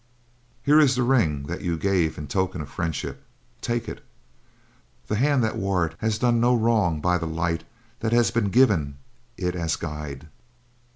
"Here is the ring that you gave in token of friendship. Take it. The hand that wore it has done no wrong by the light that has been given it as guide.